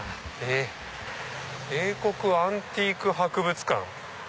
「英国アンティーク博物館」。